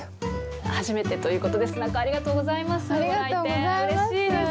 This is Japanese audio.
初めてということですが、ありがとうございます。